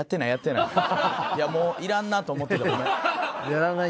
いやもういらんなと思ってたごめん。